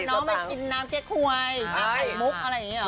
ชวนน้องไม่กินน้ำแจ๊กควยมีไข่มุกอะไรอย่างนี้หรอ